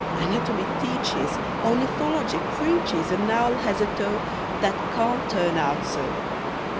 Anatomy teaches, Ornithology preaches An owl has a toe That can't turn out so!